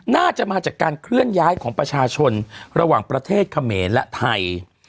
น่าจะมาจากการเคลื่อนย้ายของประชาชนระหว่างประเทศเขมรและไทย